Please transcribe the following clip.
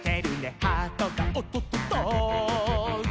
「ハートがおっとっとっと」